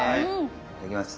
いただきます。